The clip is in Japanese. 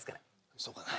そうかな？